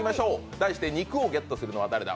題して肉をゲットするのは誰だ！